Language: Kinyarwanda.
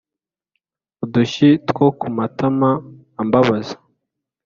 Udushyi two kumatama ambabaza